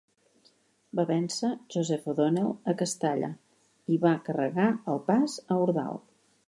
Va vèncer Joseph O'Donnell a Castalla i va carregar el pas a Ordal.